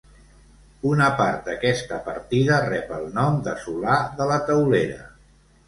Una part d'aquesta partida rep el nom de Solà de la Teulera.